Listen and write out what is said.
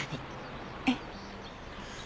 えっ？